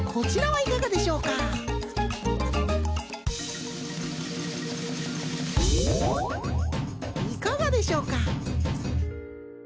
いかがでしょうか？